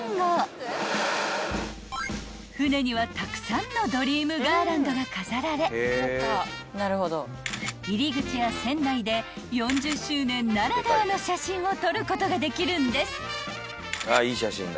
［船にはたくさんのドリームガーランドが飾られ入り口や船内で４０周年ならではの写真を撮ることができるんです］